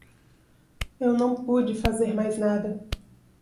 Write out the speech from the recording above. Eu não pude fazer mais nada.